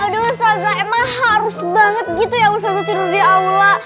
aduh saza emang harus banget gitu ya usaha tidur di aula